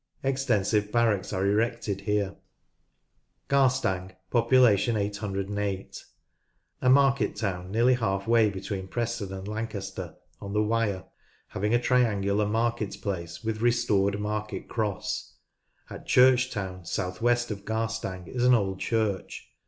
Extensive barracks are erected here. Garstang (808). A market town nearly half way between Preston and Lancaster on the Wyre, having a triangular market place with restored market cross. At Churchtown, south west ot Garstang, is an old church.